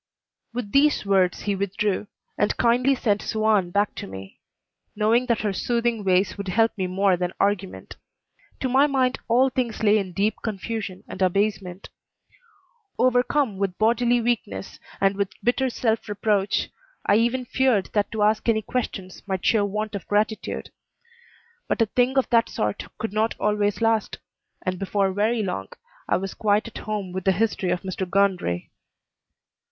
With these words he withdrew, and kindly sent Suan back to me, knowing that her soothing ways would help me more than argument. To my mind all things lay in deep confusion and abasement. Overcome with bodily weakness and with bitter self reproach, I even feared that to ask any questions might show want of gratitude. But a thing of that sort could not always last, and before very long I was quite at home with the history of Mr. Gundry.